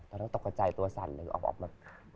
ตอนนั้นตกกระใจตัวสั่นเลยออกมา